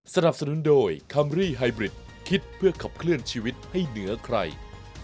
สนับสนุนโดยคัมรี่ไฮบริดคิดเพื่อขับเคลื่อนชีวิตให้เหนือใคร